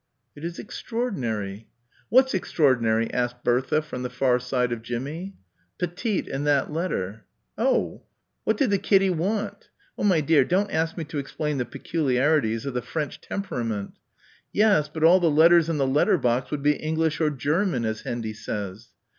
"It is extraordinary." "What's extraordinary?" asked Bertha from the far side of Jimmie. "Petite and that letter." "Oh." "What did the Kiddy want?" "Oh, my dear, don't ask me to explain the peculiarities of the French temperament." "Yes, but all the letters in the letter box would be English or German, as Hendy says."